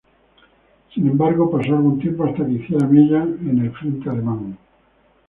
Sin embargo, pasó algún tiempo hasta que hiciera mella en el frente alemán.